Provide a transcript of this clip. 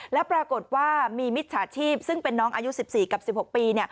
แล้วปรากฏว่ามีมิจฉาชีพซึ่งเป็นน้องอายุ๑๔กับ๑๖ปี